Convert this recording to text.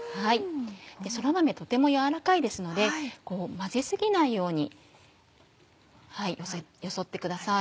そら豆とても軟らかいですので混ぜ過ぎないようによそってください。